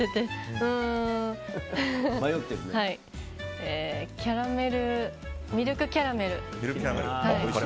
うーん、ミルクキャラメル。